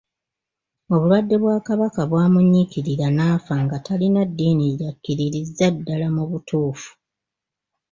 Obulwadde bwa Kabaka bwamunyiikirira n'afa nga talina ddiini gy'akkiririzza ddala mu butuufu.